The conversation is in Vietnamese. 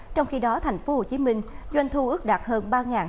trong khi đó thành phố hồ chí minh doanh thu ước đạt hơn ba hai trăm linh